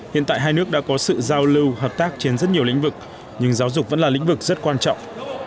hiện tại hai nước đã có sự giao lưu hợp tác trên rất nhiều lĩnh vực nhưng giáo dục vẫn là lĩnh vực rất quan trọng